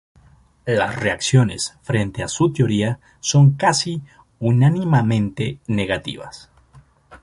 Las reacciones frente a su teoría son casi unánimemente negativas.